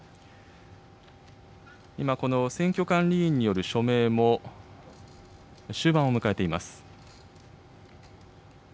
今この選挙管理委員による署名も、終盤を迎えています。